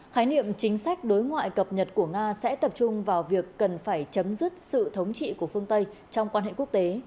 khái niệm chính sách đối ngoại cập nhật của nga sẽ tập trung vào việc cần phải chấm dứt sự thống trị của phương tây trong quan hệ quốc tế